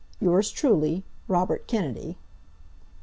Yours truly, ROBERT KENNEDY.